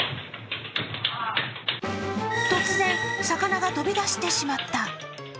突然、魚が飛び出してしまった。